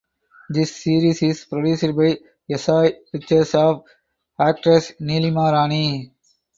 This series is produced by Esai Pictures of actress Neelima Rani.